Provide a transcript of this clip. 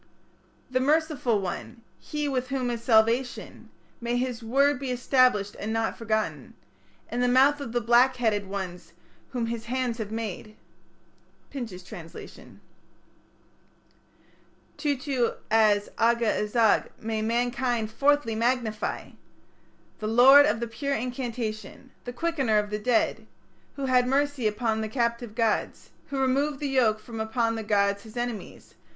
"The merciful one", "he with whom is salvation", May his word be established, and not forgotten, In the mouth of the black headed ones whom his hands have made. Pinches' Translation Tutu as Aga azag may mankind fourthly magnify! "The Lord of the Pure Incantation", "the Quickener of the Dead ", "Who had mercy upon the captive gods", "Who removed the yoke from upon the gods his enemies".